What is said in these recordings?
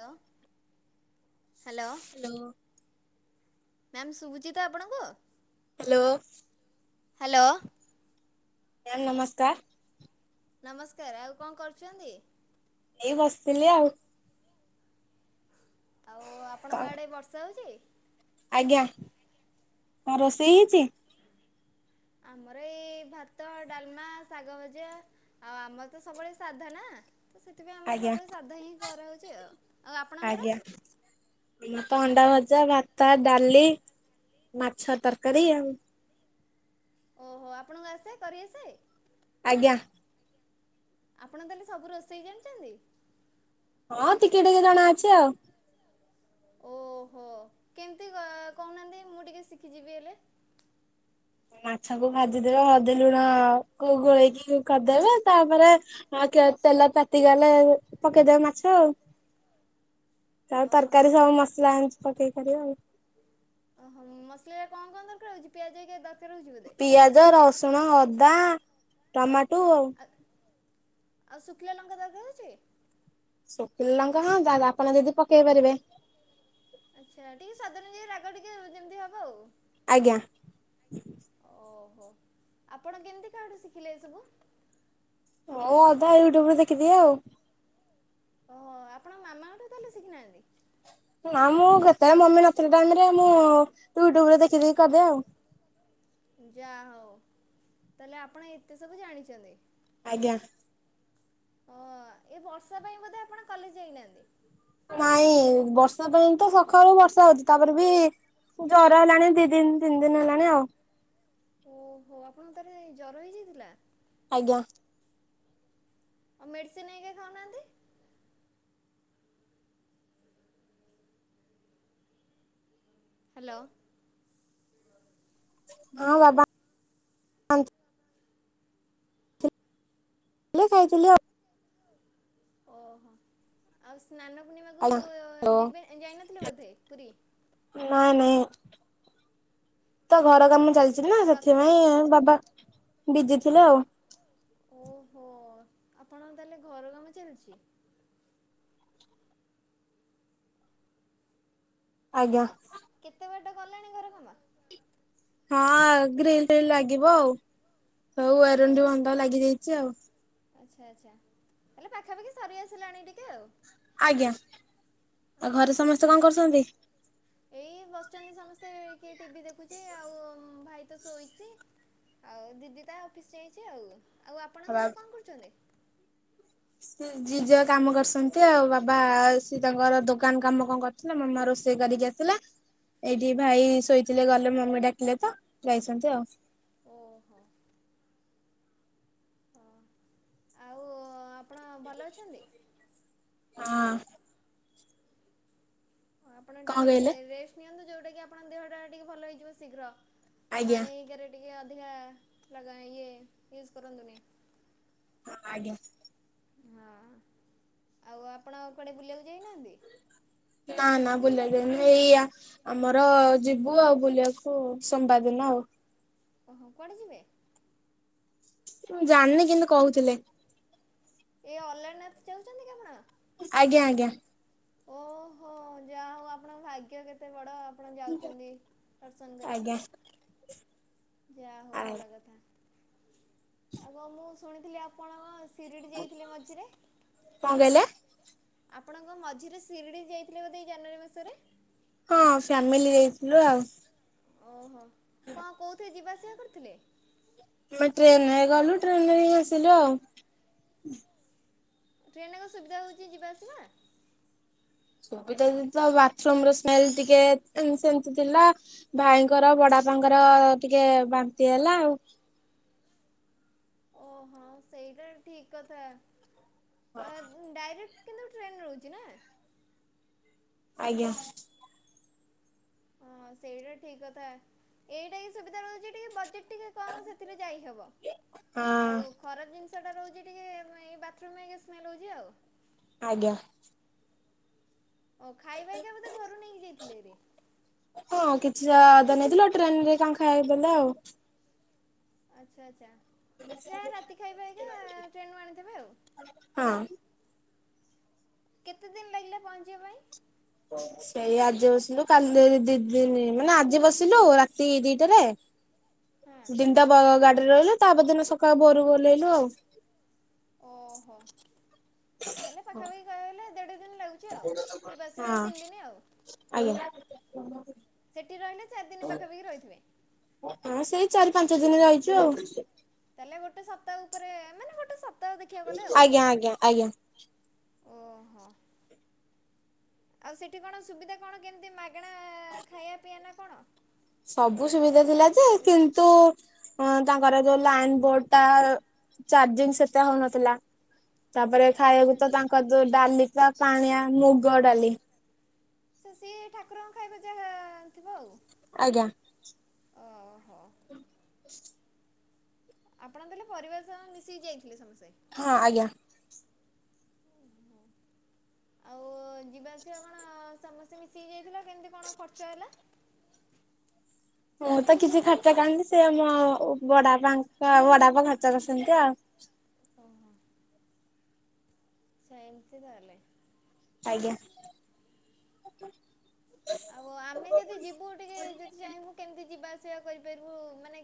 ଲୋ hello. Hello. Ma'am ଶୁଭୁଚିତ ଆପଣଙ୍କୁ? Hello. Hello. Ma'am ନମସ୍କାର। ନମସ୍କାର ଆଉ କଁ କରୁଚନ୍ତି? ଏଇ ବସିଥିଲି ଆଉ। ଆଉ ଆପଣଙ୍କ କଣ ଆଡ଼େ ବର୍ଷା ହୋଉଚି? ଆଜ୍ଞା କଁ ରୋଷେଇ ହେଇଛି? ଆମର ଏଇ ଭାତ ଡାଲମା ଶାଗ ଭଜା। ଆଉ ଆମର ତ ସବୁବେଳେ ସାଧା ନା। ତ ସେଥିପାଇଁ ଆମର ଆଜ୍ଞା ସବୁବେଳେ ସାଧା ହିଁ କରାହେଉଛି ଆଉ ଆଉ ଆପଣଙ୍କର? ଆମ ତ ଅଣ୍ଡା ଭଜା ଭାତ ଡାଲି ମାଛ ତରକାରୀ ଆଉ। ଓହୋ ଆପଣଙ୍କୁ ଆସେ କରିଆସେ? ଆଜ୍ଞା। ଆପଣ ତାହେଲେ ସବୁ ରୋଷେଇ ଜାଣିଚନ୍ତି? ହଁ ଟିକେ ଟିକେ ଜଣାଅଛି ଆଉ। ଓହୋ କେମିତି କ କହୁନାହାନ୍ତି ମୁଁ ଟିକେ ଶିଖିଯିବି ହେଲେ। ମାଛକୁ ଭାଜିଦବେ ହଲଦୀ ଲୁଣ କୁ ଗୋଳେଇକି କରିଦେବେ ତାପରେ ଆଉ ତେ ତେଲ ତାତିଗଲେ ପକେଇଦେବେ ମାଛ ଆଉ। [inaudible] ତାପରେ ତରକାରୀ ସବୁ ମସଲା [unintelligible] ପକେଇ କରିବ ଆଉ। ଅଁହଁ ମସଲାରେ କଁ କଣ ଦରକାର ହୋଉଛି ପିଆଜ ହେରିକା ଦରକାର ହୋଉଛି ବୋଧେ। ପିଆଜ, ରସୁଣ, ଅଦା, ଟମାଟୁ ଆଉ। ଆଉ ଶୁଖିଲା ଲଙ୍କା ଦରକାର ଅଛି? ଶୁକିଲା ଲଙ୍କା ହଁ ଯା ଯା ଆପଣ ଯଦି ପକେଇ ପାରିବେ। ଆଚ୍ଛା ଟିକେ ସ୍ଵାଦ ନାଗି ରାଗ ଟିକେ ଯେମିତି ହବ ଆଉ। ଆଜ୍ଞା। ଓହୋ ଆପଣ କେମିତି କାହାଠୁ ଶିଖିଲେ ଏସବୁ? ମୁଁ ଅଧା ୟୁଟ୍ୟୁବରୁ ଦେଖିଦିଏ ଆଉ। ଓହୋ ଆପଣ ମାମାଙ୍କଠୁ ତାହେଲେ ଶିଖିନାହାନ୍ତି? ନା ମୁଁ କେତେବେଳେ ମମି ନଥିଲା ଟାଇମ୍ ରେ ମୁଁ ୟୁଟ୍ୟୁବରୁ ଦେଖି ଦେଖି କରିଦିଏ ଆଉ। ଯା ହଉ ତାହେଲେ ଆପଣ ଏତେ ସବୁ ଜାଣିଛନ୍ତି। ଆଜ୍ଞା। [unintelligible] ଏ ବର୍ଷା ପାଇଁ ବୋଧେ ଆପଣ କଲେଜ ଯାଇନାହାନ୍ତି? ନାଇଁ ବର୍ଷା ପାଇଁ ତ ସଖାଳୁ ବର୍ଷା ହୋଉଚି ତାପରେ ବି ଜର ହେଲାଣି ଦି ଦିନ ତିନି ଦିନ ହେଲାଣି ଆଉ। ଓହୋ ଆପଣଙ୍କୁ ତାହେଲେ ଜର ହେଇଯାଇଥିଲା? ଆଜ୍ଞା। ଆଉ ମେଡ଼ିସିନ ନେଇକି ଖାଉନାହାନ୍ତି। ହାଲୋ। ହଁ ହଁ। [unintelligible] [unintelligible] ଓହୋ ଆଉ ସ୍ନାନପୂର୍ଣ୍ଣିମାକୁ ଆଜ୍ଞା ହ୍ୟାଲୋ। ଯିବେ ଯାଇନଥିଲେ ବୋଧେ ପୁରୀ? ନାଇଁ ନାଇଁ ତ ଘର କାମ ଚାଲ ଚିନା ଆଉ ସେଥିପାଇଁ ରଥଯାତ୍ରା ଆଉ ବାବା ବିଜି ଥିଲେ ଆଉ। ଓହୋ ଆପଣ ତାହେଲେ ଘର କାମ ଚାଲିଛି? ଆଜ୍ଞା। କେତେ ବାଟ ଗଲାଣି ଘର କାମ? ହଁ ଗ୍ରୀଲ ଫିଲ ଲାଗିବ ଆଉ, ଆଉ ଏରୁଣ୍ଡି ଓହୋ ବନ୍ଧ ଲାଗିଯାଇଛି ଆଉ। ଆଚ୍ଛା ଆଚ୍ଛା ହେଲେ ପାଖାପାଖି ସରିଆସିଲାଣି ଟିକେ ଆଉ। ଆଜ୍ଞା ଆଉ ଘରେ ଓହୋ। ସମସ୍ତେ କଣ କରୁଛନ୍ତି? ଏଇ ବସିଛନ୍ତି ସମସ୍ତେ କିଏ ଟିଭି ଦେଖୁଛି ଆଉ ଭାଇ ତ ଶୋଇଛି। ଆଉ ଦିଦି ତା ଅଫିସ ଯାଇଛି ଆଉ, ଆଉ ଆପଣଙ୍କ ଘରେ କଣ କରୁଛନ୍ତି? ସ୍କୁ ଯିଏ ଯା କାମ କରୁଛନ୍ତି ଆଉ ବାବା ସିଏ ତାଙ୍କର ଦୋକାନ କାମ କଣ କରୁଥିଲେ ମାମା ରୋଷେଇ କରିକି ଆ ଆସିଲା ଏଇଠି ଭାଇ ଶୋଇଥିଲେ ଗଲେ ମମି ଡାକିଲେ ତ ଯାଇଛନ୍ତି ଆଉ। ଓହୋ। ଆଉ ଆପଣ ହଁ ଭଲ ଅଛନ୍ତି? ଆଁ ହଁ ଆପଣ କଣ ଟିକେ କହିଲେ ରେଷ୍ଟ ନିଅନ୍ତୁ ଯେଉଁଟା କିି ଆପଣଙ୍କ ଦେହଟା ଟିକେ ଭଲ ହେଇଯିବ ଶୀଘ୍ର। ଆଜ୍ଞା ପାଣିିକରେ ଟିକେ ଅଧିକା ଲା ଇଏ ୟୁଜ୍ କରନ୍ତୁନି। ହଁ ଆଜ୍ଞା। ହଁ ଆଉ ଆପଣ କଆଡ଼େ ବୁଲିବାକୁ ଯାଇନାହାନ୍ତି? ନା ନା ବୁଲବାକୁ ଯାଇନି ଏଇଆ ଆମର ଯିବୁ ଆଉ ବୁଲିବାକୁ ସୋମବାର ଦିନ ଆଉ। ଓହୋ କୁଆଡେ ଯିବେ? ମୁଁ ଜାଣିନି କିନ୍ତୁ କହୁଥିଲେ। ଏ ଅଲାରନାଥ ଯାଉଛନ୍ତି କି ଆପଣ? ଆଜ୍ଞା ଆଜ୍ଞା। ଓହୋ ଯାହା ହଉ ଆପଣଙ୍କ ଭାଗ୍ୟ କେତେ ବଡ? ଆପଣ ଯାଉଛନ୍ତି ଦର୍ଶନ କରିବା ଆଜ୍ଞା ପାଇଁ।? ଆ ଯାହା ହଉ କଣ ଭଲ କଥା ଆଉ କଣ ମୁଁ ଶୁଣିଥିଲି ଆପଣ କଣ ସିରିଡ଼ି ଯାଇଥିଲେ ମଝିରେ? କଣ କହିଲେ? ଆପଣ କଣ ମଝିରେ ଶିରିଡ଼ି ଯାଇଥିଲେ ବୋଧେ ଏ ଜାନୁଆରୀ ମାସରେ? ହଁ ଫ୍ୟାମିଲି ଯାଇଥିଲୁ ଆଉ। ଓହୋ କଣ କୋଉଁଥିରେ ଯିବା ଆସିବା କରିଥିଲେ। ଆମେ ଟ୍ରେନରେ ଗଲୁ ଟ୍ରେନ ରେ ହିଁ ଆସିଲୁ ଆଉ। ଟ୍ରେନ କଣ ସୁବିଧା ହଉଛି ଯିବା ଆସିବା? ସୁବିଧା ତ ବାଥରୁମ ର ସ୍ମେଲ ଟିକେ ସେମିତି ଥିଲା। ଭାଇଙ୍କର ବଡପାଙ୍କର ଟିକେ ବାନ୍ତି ହେଲା ଆଉ। ଓହୋ ସେଇଟା ଠିକ କଥା ଆ ଡାଇରେକ୍ଟ କିନ୍ତୁ ଟ୍ରେନ ମିଳୁଛି ନା। ଆଜ୍ଞା। ହଁ ସେଇଟା ଠିକ କଥା ଏଇଟା ହିଁ ସୁବିଧା ମିଳୁଛି ଟିକେ ବଜେଟ ଟିକେ କଣ ସେଥିରେ ଯାଇହବ ହଁ ଆଉ ଖରାପ ଜିନିଷଟା ରହୁଛି ଟିକ ଏଇ ବାଥରୁମ ହେକା ସ୍ମେଲ୍ ହେଉଛି ଆଉ। ଆଜ୍ଞା। ଓ ଖାଇବା ହିକା ବୋଧେ ଘରୁକୁ ନେଇକି ଯାଇଥିଲେ ହେରି ହଁ କିଛି ଟା ଅଧା ନେଇଥିଲୁ ଟ୍ରେନରେ କଣ ଖାଇବା ଦେଲେ ଆଉ। ଆଚ୍ଛା ଆଚ୍ଛା ଯାହା ରାତି ଖାଇବା ଏରିକା ଟ୍ରେନ ରୁ ଆଣିଥିବେ ଆଉ। ହଁ। କେତେ ଦିନ ଲାଗିଲା ପହଞ୍ଚିବା ପାଇଁ? ସେଇ ଆଜି ବସିଲୁ କାଲି ଦି ଦିନି ମାନେ ଆଜି ବସିଲୁ ରାତି ଦିଟାରେ ହଁ। ଦିନିଟା ଗା ଗାଡିରେ ଗଲୁ ତାପରଦିନ ସକାଳୁ ଭୋରୁକୁ ଓହ୍ଲେଇଲୁ ଆଉ। ଓହୋ। ତାହେଲେ ପାଖାପାଖି କହିବାକୁଗଲେ ଦେଢ଼ ଦିନ ଲାଗୁଛି ଆଉ ଯିବା ଆସିବା ହଁ। ତିନି ଦିନ ଆଉ। ଆଜ୍ଞା। ସେଠି ରହିଲେ ଚାରିଦିନ ପାଖା ପାାଖି ରହିଥିବେ। ହଁ ସେଇ ଚାରି ପାଞ୍ଚ ଦିନ ରହିଛୁ ଆଉ। ତାହେଲେ ଗୋଟେ ସପ୍ତାହ ଉପରେ ମାନେ ଗୋଟେ ସପ୍ତାହ ଦେଖିବାକୁ ଗଲେ ଆଉ। ଆଜ୍ଞା ଆଜ୍ଞା ଆଜ୍ଞା ଓହୋ ଆଉ ସେଠି କଣ ସୁବିଧା କଣ କେମିତି ମାଗ୍। ଗେଣା ଖାଇବା ପିଇବା ନା କଣ। ସବୁ ସୁବିଧା ଥିଲା ଯେ କିନ୍ତୁ ତାଙ୍କର ଯୋଉ ଲାଇନ ବୋର୍ଡ ଟା। ଚାର୍ଜିଂ ସେତେ ହଉନଥିଲା। ତାପରେ ଓ ଆଚ୍ଛା ଖାଇବାକୁ ତ ଆଚ୍ଛା ତାଙ୍କର ଯୋଉ ଡାଲିିକା ପାଣିଆ ମୁଗ ଡାଲି। ତ ସିଏ ଠାକୁରଙ୍କ ଖାଇବା ଯାହା ଥିବ ଆଉ। ଆଜ୍ଞା। ଓହୋ। [unintelligible] ଆପଣ ତାହେଲେ ପରିବାର ସହ ମିଶିକି ଯାଇଥିଲେ ସମସ୍ତେ। ହଁ ଆଜ୍ଞା। [unintelligible] ଆଉ ଯିବା ଆସିବା କଣ ସମସ୍ତେ ମିଶିକ ଯାଇଥିଲ କେମିତି କଣ ଖର୍ଚ୍ଚ ହେଲା। ମୁଁ ତ କିଛି ଖର୍ଚ୍ଚ କରିନି ସେ ମୋ ବଡବାପା ଙ୍କ ବଡବାପା ଖର୍ଚ୍ଚ କରିଛନ୍ତି ଆଉ। ଓହୋ। ଆଛା ଏମିତି ତାହଲେ। ଆଜ୍ଞା। ଆଉ ଆମେ ଯଦି ଯିବୁ ଟିକେ ଯଦି ଚାହିଁବୁ କେମିତି ଯିବା ଆସିବା କରିପାରିବୁ ମାନେ।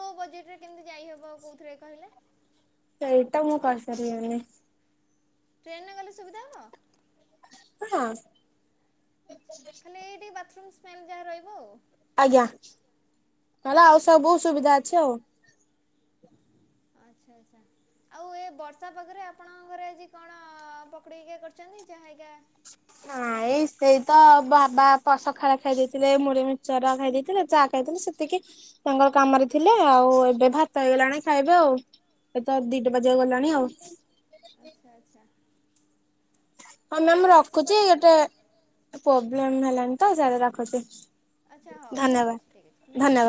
ନୋ ବଜେଟ୍ ରେ କେମିତି ଯାଇହବ କୋଉଥିରେ କହିଲେ। ସେଇଟା ମୁଁ କହିପାରିବିନି। ଟ୍ରେନ୍ ରେ ଗଲେ ସୁବିଧା ହବ। ହଁ। ଖାଲି ଏଇ ଟିକେ ବାଥରୁମ୍ ସ୍ମେଲ୍ ଯାହା ରହିବ ଆଉ। ଆଜ୍ଞା ନହେଲେ ଆଉ ଓହୋ ସବୁ ସୁବିଧା ଅଛି ଆଉ। ଆଚ୍ଛା ଆଚ୍ଛା। ଆଉ ଏ ବର୍ଷା ପାଗରେ ଆପଣଙ୍କ ଘରେ ଆଜି କଣ ପକୁଡ଼ି ଘରିକା କରିଛନ୍ତି ଚାହା ଘରିକା। ନାଇଁ ସେଇ ତ ବାପା ପ ସକାଳେ ଖାଇ ଦେଇଥିଲେ ମୁଢି ମିକ୍ସଚର ଖାଇ ଦେଇେଥିଲେ ଚା। ଖାଇଥିଲି ସେତିକି ତାଙ୍କର କାମରେ ଥିଲେ ଆଉ ଏବେ ଭାତ ହେଇଗଲାଣି ଖାଇବେ ଆଉ। ଏ ତ ଦିଟା ବଜିବାକୁ ଗଲାଣି ଆଉ। ଆଚ୍ଛା ଆଚ୍ଛା। ହଁ ଆଉ ମ୍ୟାମ୍ ଏ ବର୍ଷ ରଖୁଛି କୁଆଡ଼େ ଗୋଟେ ପ୍ରୋବ୍ଲେମ୍ ହେଲାଣିି ତ ସାଡେ ରଖୁଛି‌। ଆଚ୍ଛା ହଉ ଠିକ୍ ଅଛି ଠିକ୍ ଅଛି ଧନ୍ୟବାଦ।